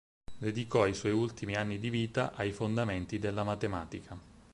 Dedicò i suoi ultimi anni di vita ai fondamenti della matematica.